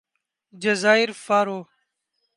جزائر فارو